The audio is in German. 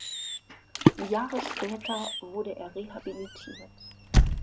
Jahre später wurde er rehabilitiert.